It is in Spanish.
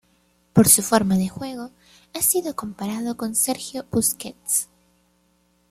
Por su forma de juego, ha sido comparado con Sergio Busquets.